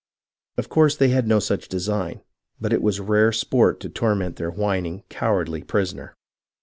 Of course they had no such design, but it was rare sport to torment their whining, cowardly prisoner.